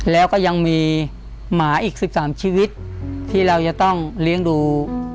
แล้วก็ยังมีหมาอีก๑๓ชีวิตที่เราจะต้องเลี้ยงดู